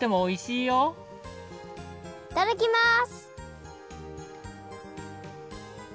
いただきます！